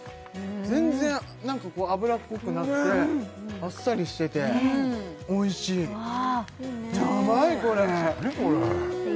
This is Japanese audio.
全然なんか脂っこくなくてあっさりしてておいしいおいしいねヤバい